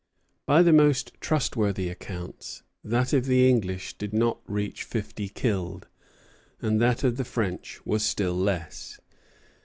By the most trustworthy accounts, that of the English did not reach fifty killed, and that of the French was still less.